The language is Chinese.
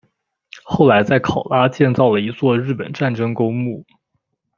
后来在考拉建造了一座日本战争公墓。